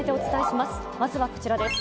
まずはこちらです。